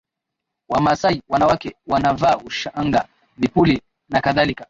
Wamasai wanawake wanavaa ushanga vipuli nakadhalika